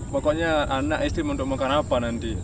pokoknya anak istri untuk makan apa nanti